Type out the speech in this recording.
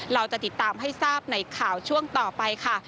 เราจะติดตามให้ทราบในข่าวช่วงต่อไปค่ะ